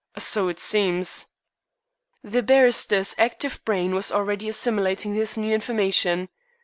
"So it seems." The barrister's active brain was already assimilating this new information.